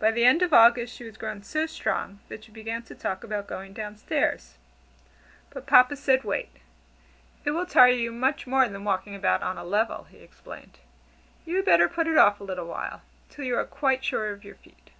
By the end of August she was grown so strong, that she began to talk about going down stairs. But Papa said, "Wait." "It will tire you much more than walking about on a level," he explained, "you had better put it off a little while till you are quite sure of your feet."